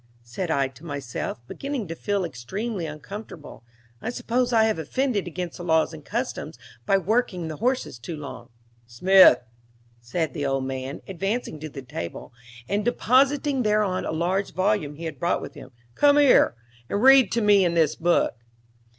said I to myself, beginning to feel extremely uncomfortable. "I suppose I have offended against the laws and customs by working the horses too long." "Smith," said the old man, advancing to the table, and depositing thereon a large volume he had brought with him, "come here, and read to me in this book."